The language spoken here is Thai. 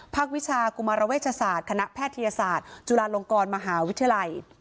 วิชากุมารเวชศาสตร์คณะแพทยศาสตร์จุฬาลงกรมหาวิทยาลัย